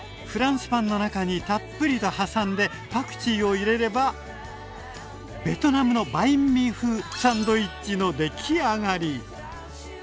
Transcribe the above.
フランスパンの中にたっぷりと挟んでパクチーを入れればベトナムのバインミー風サンドイッチのできあがり。